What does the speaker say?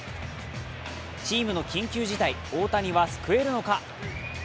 チームの緊急事態、大谷は救えるのか。